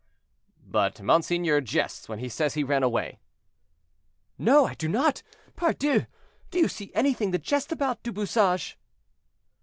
"But monseigneur jests when he says he ran away." "No, I do not. Pardieu! do you see anything to jest about, Du Bouchage?"